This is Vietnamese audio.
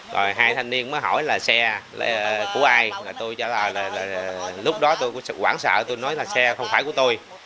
rồi hai thanh niên mới hỏi là xe của ai lúc đó tôi quảng sợ tôi nói là xe không phải của tôi